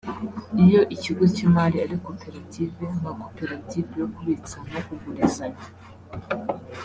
iyo ikigo cy’imari ari Koperative [nka koperative yo kubitsa no kugurizanya]